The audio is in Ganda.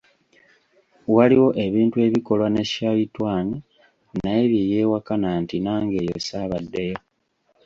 Waliwo ebintu ebikolwa ne Shaitwani naye bye yeewakana nti,"nange eyo ssaabaddeyo".